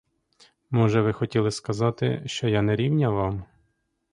Може, ви хотіли сказати, що я не рівня вам?